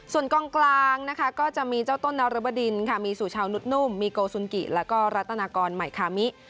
ส่วนกองกลางนะคะก็จะมีเจ้าต้นนรบดินค่ะมีสุชาวนุษนุ่มมีโกสุนกิแล้วก็รัตนากรใหม่คามิ